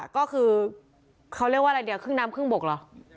ก็คือเขาเรียกว่าอะไรเดี๋ยวครึ่งน้ำครึ่งบกเหรอ